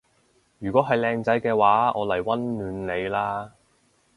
如果係靚仔嘅話我嚟溫暖你啦